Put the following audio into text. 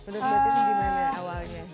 menurut mbak titi gimana awalnya